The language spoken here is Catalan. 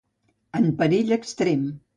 En perill extrem.